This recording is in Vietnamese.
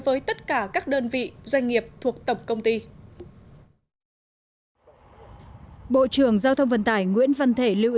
với tất cả các đơn vị doanh nghiệp thuộc tổng công ty bộ trưởng giao thông vận tải nguyễn văn thể lưu ý